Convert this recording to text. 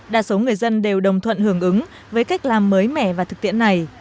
đa số người dân đều đồng thuận hưởng ứng với cách làm mới mẻ và thực tiễn này